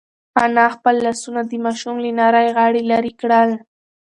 انا خپل لاسونه د ماشوم له نري غاړې لرې کړل.